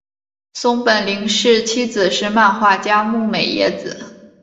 松本零士妻子是漫画家牧美也子。